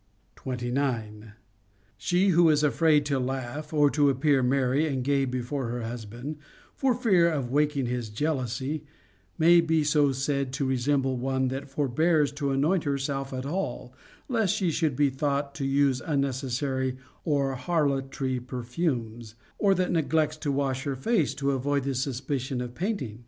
29. She who is afraid to laugh or to appear merry and gay before her husband, for fear of waking his jealousy, may be said to resemble one that forbears to anoint her self at all, lest she should be thought to use unnecessary or harlotry perfumes, or that neglects to wash her face, to avoid the suspicion of painting.